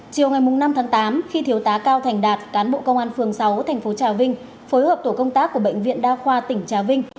chiều ngày năm tháng tám khi thiếu tá cao thành đạt cán bộ công an phường sáu tp trà vinh phối hợp tổ công tác của bệnh viện đa khoa tỉnh trà vinh